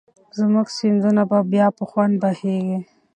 زموږ سیندونه به بیا په خوند بهېږي.